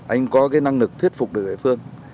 anh có năng lực thuyết phục được địa phương